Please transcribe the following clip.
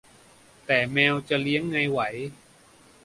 แต่แมวจะเลี้ยงไงไหว